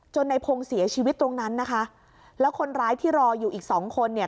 ในพงศ์เสียชีวิตตรงนั้นนะคะแล้วคนร้ายที่รออยู่อีกสองคนเนี่ย